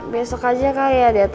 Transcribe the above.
besok aja kak ya dad